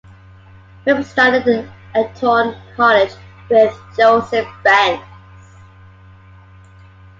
Phipps studied at Eton College with Joseph Banks.